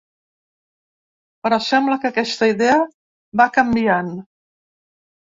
Però sembla que aquesta idea va canviant.